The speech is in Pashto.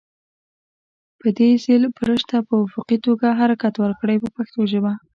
په دې ځل برش ته په افقي توګه حرکت ورکړئ په پښتو ژبه.